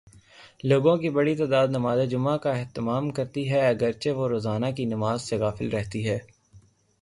لوگوں کی بڑی تعداد نمازجمعہ کا اہتمام کرتی ہے، اگر چہ وہ روزانہ کی نماز سے غافل رہتی ہے۔